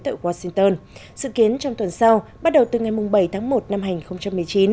tại washington sự kiến trong tuần sau bắt đầu từ ngày bảy tháng một năm hai nghìn một mươi chín